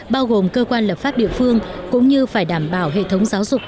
bao gồm cơ quan lập pháp địa phương cũng như phải đảm bảo hệ thống giáo dục